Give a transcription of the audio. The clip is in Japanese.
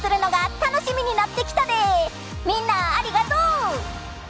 みんなありがとう！